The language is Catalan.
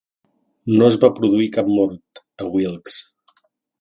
No es va produir cap mort a "Wilkes".